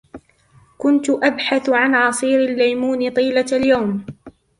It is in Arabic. كنت أبحث عن عصير الليمون طيلة اليوم.